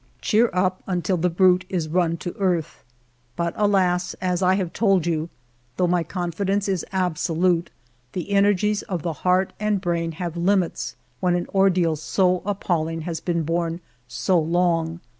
" Cheer up until the brute is run to earth. But, alas ! as I have told you, though my confi dence is absolute, the energies of the heart and brain have limits when an ordeal so appalling has been borne so long.